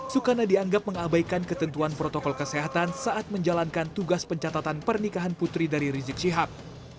soekarno dianggap mengabaikan ketentuan protokol kesehatan saat menjalankan tugas pencatatan pernikahan putri dari rizik syihab